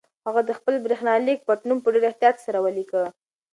هغه د خپل برېښنالیک پټنوم په ډېر احتیاط سره ولیکه.